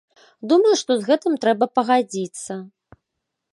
Думаю, што з гэтым трэба пагадзіцца.